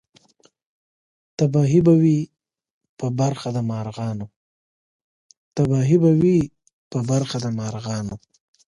تباهي به وي په برخه د مرغانو